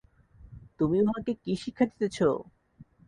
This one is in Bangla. তুমি উহাকে কী শিক্ষা দিতেছ?